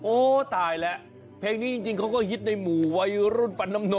โอ้ตายแล้วเพลงนี้จริงเขาก็ฮิตในหมู่วัยรุ่นฟันน้ำนม